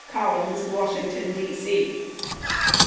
COLLINS, Washington, D. C."